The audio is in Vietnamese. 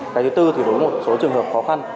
cái thứ tư thì đối với một số trường hợp khó khăn